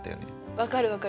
分かる分かる。